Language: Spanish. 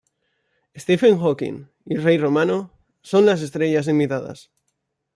Stephen Hawking y Ray Romano son las estrellas invitadas.